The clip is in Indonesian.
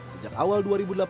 sejak awal dua ribu delapan belas